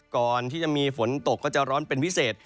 ก่อนที่จะมีฝนตกก็จะร้อนเป็นพิเศษ